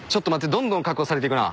どんどん確保されてくな。